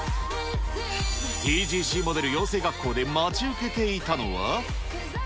ＴＧＣモデル養成学校で待ち受けていたのは。